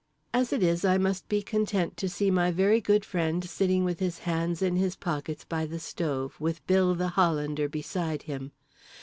As it is, I must be content to see my very good friend sitting with his hands in his pockets by the stove with Bill the Hollander beside him.